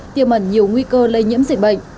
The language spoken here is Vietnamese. tiêm ẩn nhiều nguy cơ lây nhiễm dịch bệnh